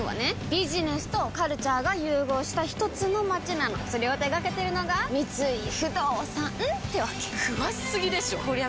ビジネスとカルチャーが融合したひとつの街なのそれを手掛けてるのが三井不動産ってわけ詳しすぎでしょこりゃ